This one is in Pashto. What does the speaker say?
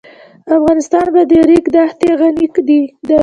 افغانستان په د ریګ دښتې غني دی.